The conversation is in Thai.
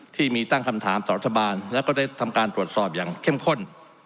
ที่มีตั้งคำถามต่อรัฐบาลแล้วก็ได้ทำการตรวจสอบอย่างเข้มข้น